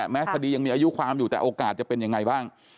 แม้คดียังมีอายุความอยู่แต่โอกาสจะเป็นยังไงบ้าง